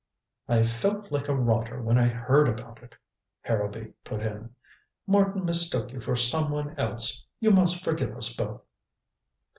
"I felt like a rotter when I heard about it," Harrowby put in. "Martin mistook you for some one else. You must forgive us both."